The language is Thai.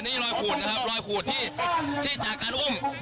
นี่รอยขูดนะครับรอยขูดที่จากการอุ้ม